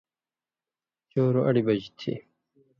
څَورُو اَئیڑ بج تھی۔